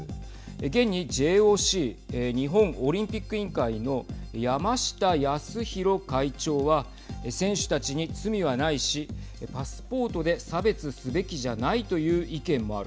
現にＪＯＣ＝日本オリンピック委員会の山下泰裕会長は選手たちに罪はないしパスポートで差別すべきじゃないという意見もある。